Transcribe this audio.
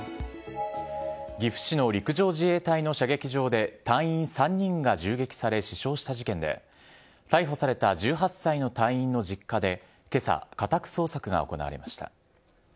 岐阜市の陸上自衛隊の射撃場で、隊員３人が銃撃され死傷した事件で、逮捕された１８歳の隊員の実家で、けさ、家宅捜索が行われました。